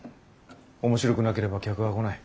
「面白くなければ客は来ない。